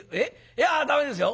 いや駄目ですよ。